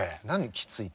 きついって。